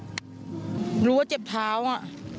รู้โทษว้าเจ็บเท้าอะ